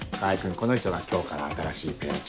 この人が今日から新しいペア長。